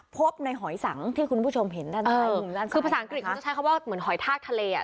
พบในหอยสังที่คุณผู้ชมเห็นด้านในคือภาษาอังกฤษเขาจะใช้คำว่าเหมือนหอยทากทะเลอ่ะ